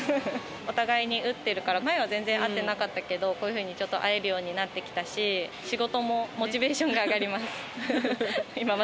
お互いに打ってるから、前は全然会ってなかったけど、こういうふうにちょっと会えるようになってきたし、仕事もモチベーションが上がります。